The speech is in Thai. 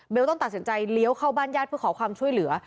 ต้องตัดสินใจเลี้ยวเข้าบ้านญาติเพื่อขอความช่วยเหลือ